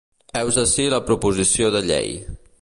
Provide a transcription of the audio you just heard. Heus ací la proposició de llei.